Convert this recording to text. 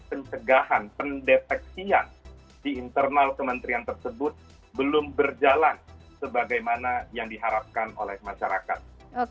pencegahan pendeteksian di internal kementerian tersebut belum berjalan sebagaimana yang diharapkan oleh masyarakat